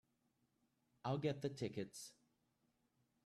I'll get the tickets.